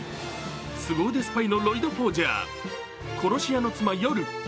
凄腕スパイのロイド・フォージャー、殺し屋の妻・ヨル。